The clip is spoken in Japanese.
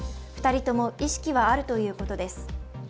２人とも意識はあるということです